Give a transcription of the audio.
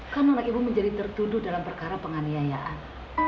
karena anak ibu menjadi tertuduh dalam perkara penganiayaan